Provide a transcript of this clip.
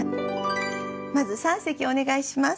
まず三席をお願いします。